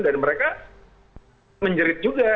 dan mereka menjerit juga